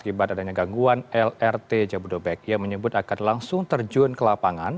akibat adanya gangguan lrt jabodebek yang menyebut akan langsung terjun ke lapangan